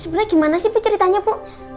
sebenarnya gimana sih bu ceritanya bu